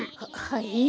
はい？